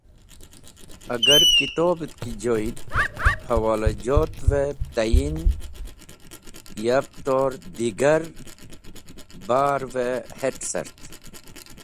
Agar kitobẽt ki joyd hẽwolajotvẽ tayin yab tor digar barvẽ het̃ cart.